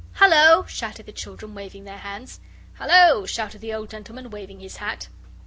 "Hullo!" shouted the children, waving their hands. "Hullo!" shouted the old gentleman, waving his hat.